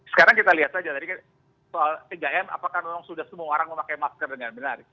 sekarang kita lihat saja tadi kan soal tiga m apakah memang sudah semua orang memakai masker dengan benar